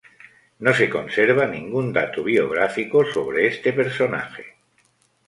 No se conserva ningún dato biográfico sobre este personaje.